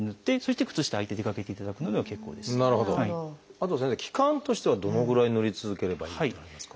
あとは先生期間としてはどのぐらいぬり続ければいいというのはありますか？